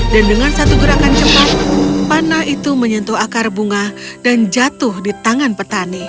dengan satu gerakan cepat panah itu menyentuh akar bunga dan jatuh di tangan petani